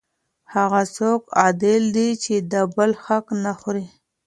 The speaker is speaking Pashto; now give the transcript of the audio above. هغه څوک عادل دی چې د بل حق نه خوري.